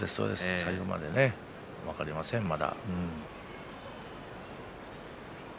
最後まで分かりませんまだ。